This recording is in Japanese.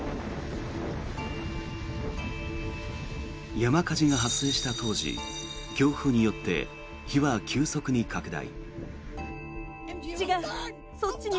山火事が発生した当時強風によって火は急速に拡大。